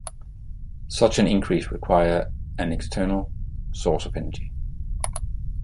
Such an increase requires an external source of energy.